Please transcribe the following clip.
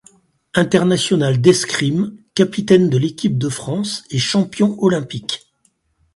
International d'escrime, capitaine de l'équipe de France et champion olympique.